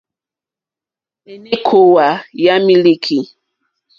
Èné kòòwà yà mílíkì.